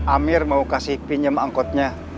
amir mau kasih pinjam angkotnya